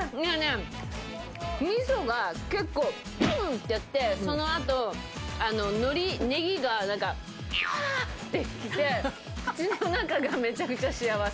みそが結構、ドゥンってやって、その後、のり、ネギがパァってきて、口の中がめちゃくちゃ幸せ！